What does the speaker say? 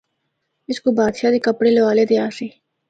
اس کو بادشاہ دے کپڑے لوالے دے آسے۔